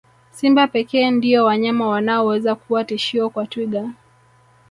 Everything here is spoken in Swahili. Simba pekee ndio wanyama wanaoweza kuwa tishio kwa twiga